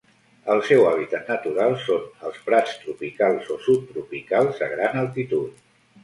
El seu hàbitat natural són els prats tropicals o subtropicals a gran altitud.